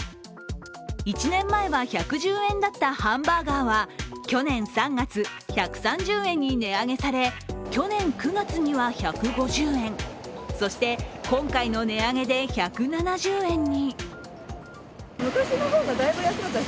１年前は１１０円だったハンバーガーは去年３月、１３０円に値上げされ去年９月には１５０円、そして、今回の値上げで１７０円に。